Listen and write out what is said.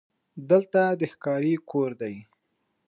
دلته د ښکاري کور دی: